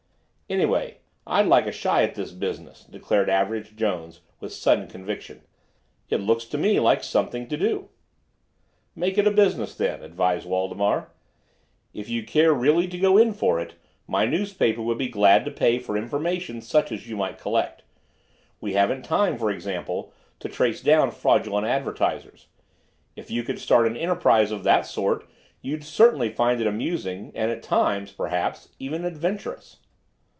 "Anyway, I'd like a shy at this business," declared Average Jones with sudden conviction. "It looks to me like something to do." "Make it a business, then," advised Waldemar. "If you care really to go in for it, my newspaper would be glad to pay for information such as you might collect. We haven't time, for example, to trace down fraudulent advertisers. If you could start an enterprise of that sort, you'd certainly find it amusing, and, at times, perhaps, even adventurous."